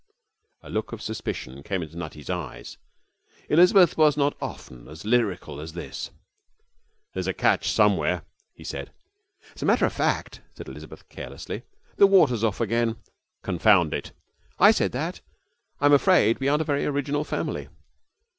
A look of suspicion came into Nutty's eyes. Elizabeth was not often as lyrical as this. 'There's a catch somewhere,' he said. 'Well, as a matter of fact,' said Elizabeth, carelessly, 'the water's off again.' 'Confound it!' 'I said that. I'm afraid we aren't a very original family.'